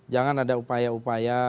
jangan ada upaya upaya